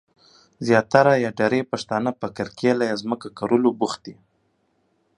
زياتره پښتنه په کرکيله بوخت دي.